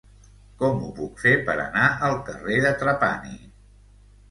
Com ho puc fer per anar al carrer de Trapani?